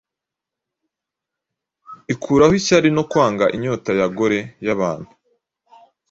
ikuraho Ishyari no Kwanga inyota ya gore yabantu